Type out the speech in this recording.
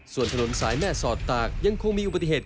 ส่วนถนนสายแม่สอดตากยังคงมีอุบัติเหตุ